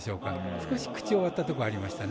少し、口を割ったところがありましたね。